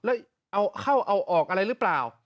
แล้วเอาเข้าเอาออกอะไรหรือเปล่า